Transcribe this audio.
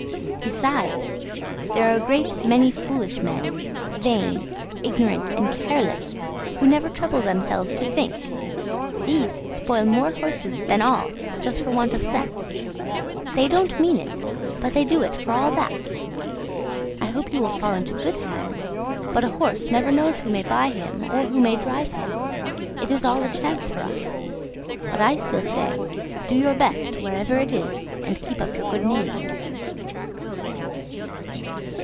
Besides, there are a great many foolish men, vain, ignorant, and careless, who never trouble themselves to think; these spoil more horses than all, just for want of sense; they don't mean it, but they do it for all that. I hope you will fall into good hands; but a horse never knows who may buy him, or who may drive him; it is all a chance for us; but still I say, do your best wherever it is, and keep up your good name."